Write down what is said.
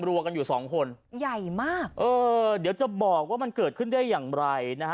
รวมกันอยู่สองคนใหญ่มากเออเดี๋ยวจะบอกว่ามันเกิดขึ้นได้อย่างไรนะฮะ